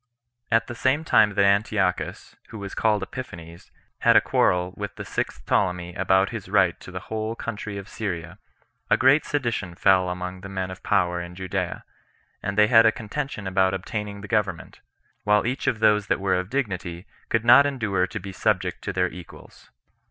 1. At the same time that Antiochus, who was called Epiphanes, had a quarrel with the sixth Ptolemy about his right to the whole country of Syria, a great sedition fell among the men of power in Judea, and they had a contention about obtaining the government; while each of those that were of dignity could not endure to be subject to their equals.